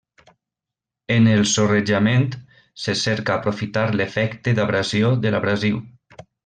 En el sorrejament se cerca aprofitar l'efecte d'abrasió de l'abrasiu.